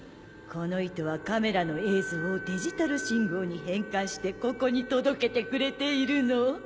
この糸はカメラの映像をデジタル信号に変換してここに届けてくれているの。